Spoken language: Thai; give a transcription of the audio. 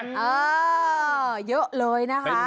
เออเยอะเลยนะคะ